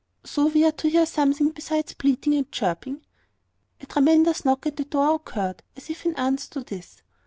"So we are to hear something besides bleating and chirping?" A tremendous knock at the door occurred, as if in answer to this.